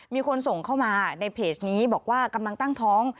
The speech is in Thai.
มีคนส่งเข้ามาในเพจนี้บอกว่ากำลังตั้งท้อง